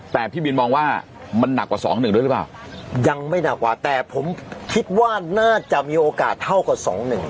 แต่พี่บินมองว่ามันหนักกว่า๒๑ด้วยหรือเปล่ายังไม่หนักกว่าแต่ผมคิดว่าน่าจะมีโอกาสเท่ากับ๒๑